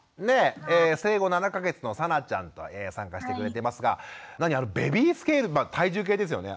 生後７か月のさなちゃんと参加してくれてますが何あのベビースケール体重計ですよね。